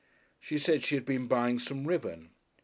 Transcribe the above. She said she had been buying some ribbon.